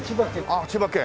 あっ千葉県！